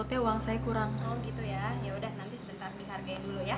tolong tolong jangan berhenti